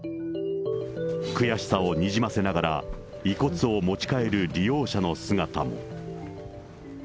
悔しさをにじませながら遺骨を持ち帰る利用者の姿も。